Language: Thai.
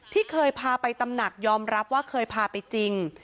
ที่เคยพาไปตำหนักยอมรับว่าเคยพาไปจริง